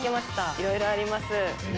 いろいろあります。